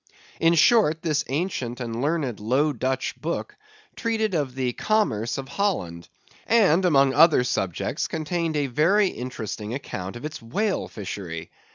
In short, this ancient and learned Low Dutch book treated of the commerce of Holland; and, among other subjects, contained a very interesting account of its whale fishery.